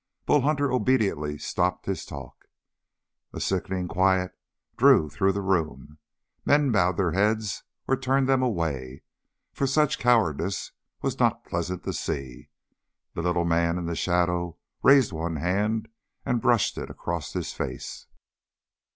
Bull Hunter obediently stopped his talk. A sickening quiet drew through the room. Men bowed their heads or turned them away, for such cowardice was not pleasant to see. The little man in the shadow raised one hand and brushed it across his face.